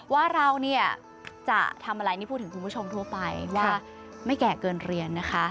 ว่าเราเนี่ยจะทำอะไรนี่พูดถึงคุณผู้ชมทั่วไปว่าไม่แก่เกินเรียนนะคะ